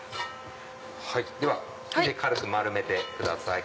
はいでは手で軽く丸めてください。